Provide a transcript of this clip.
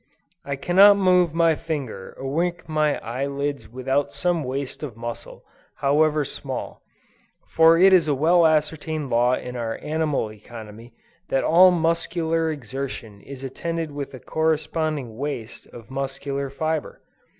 I cannot move my finger, or wink my eye lids without some waste of muscle, however small; for it is a well ascertained law in our animal economy, that all muscular exertion is attended with a corresponding waste of muscular fibre.